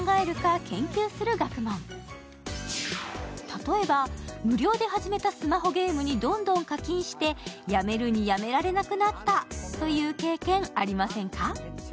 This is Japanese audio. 例えば無料で始めたスマホゲームでどんどん課金してやめるにやめられなくなったという経験ありませんか？